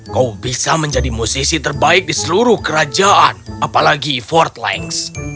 kau bisa menjadi musisi terbaik di seluruh kerajaan apalagi fortlanks